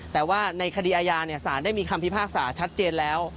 แต่ว่าในคดีอาญาสารได้มีคำพิพากษาชัดเจนแล้ว